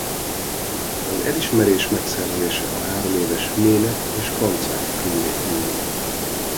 Az elismerés megszerzése a hároméves mének és kancák privilégiuma.